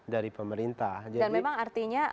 dari pemerintah jadi memang artinya